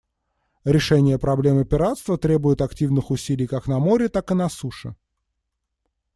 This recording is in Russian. Решение проблемы пиратства требует активных усилий как на море, так и на суше.